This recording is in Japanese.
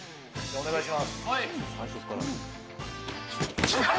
お願いします。